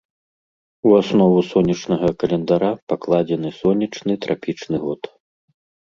У аснову сонечнага календара пакладзены сонечны трапічны год.